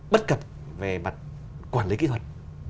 bất cập về mặt quản lý kỹ thuật